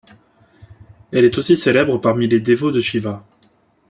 Elle est aussi célèbre parmi les dévots de Shiva.